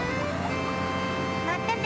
またね！